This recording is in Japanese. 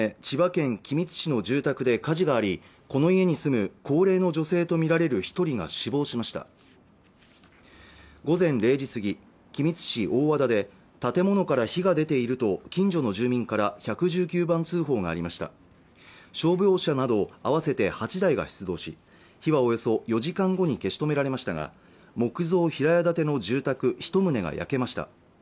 千葉県君津市の住宅で火事がありこの家に住む高齢の女性とみられる一人が死亡しました午前０時過ぎ君津市大和田で建物から火が出ていると近所の住民から１１９番通報がありました消防車など合わせて８台が出動し火はおよそ４時間後に消し止められましたが木造平屋建ての住宅一棟が焼けました